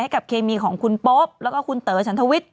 กับเคมีของคุณโป๊ปแล้วก็คุณเต๋อฉันทวิทย์